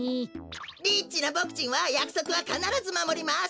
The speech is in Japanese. リッチなボクちんはやくそくはかならずまもります。